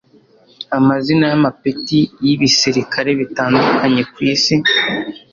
Amazina y'amapeti y'ibisirikare bitandukanye ku isi